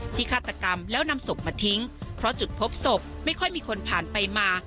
ฆาตกรรมแล้วนำศพมาทิ้งเพราะจุดพบศพไม่ค่อยมีคนผ่านไปมา